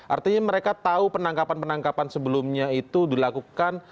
artinya mereka tahu penangkapan penangkapan sebelumnya itu dilakukan